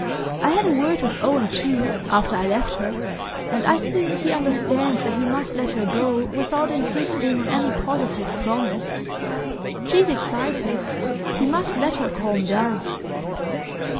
I had a word with Owen, too, after I left her, and I think he understands that he must let her go without insisting on any positive promise. She's excited ... he must let her calm down..."